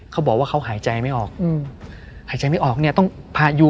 เขาบอกว่าเขาหายใจไม่ออกหายใจไม่ออกเนี่ยต้องพายู